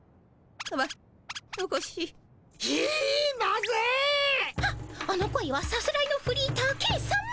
はっあの声はさすらいのフリーターケンさま。